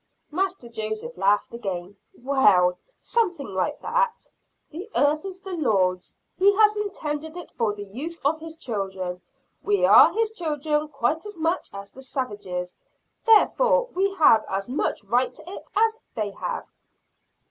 Master Joseph laughed again. "Well, something like that. The earth is the Lord's. He has intended it for the use of His children. We are His children quite as much as the savages. Therefore we have as much right to it as they have."